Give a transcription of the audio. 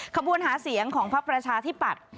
ขบูรณ์หาเสียงของภาพประชาติที่ปัด